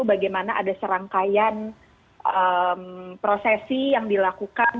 bagaimana ada serangkaian prosesi yang dilakukan